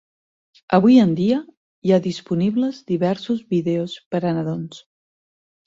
Avui en dia hi ha disponibles diversos vídeos per a nadons.